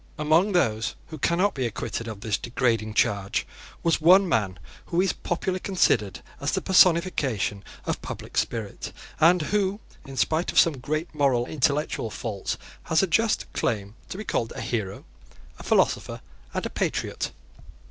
Among those who cannot be acquitted of this degrading charge was one man who is popularly considered as the personification of public spirit, and who, in spite of some great moral and intellectual faults, has a just claim to be called a hero, a philosopher, and a patriot.